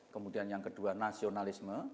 kemudian yang kedua nasionalisme